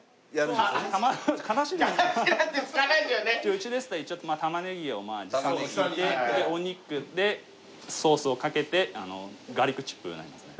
うちですと一応玉ねぎを下に敷いてお肉でソースをかけてガーリックチップなんですね。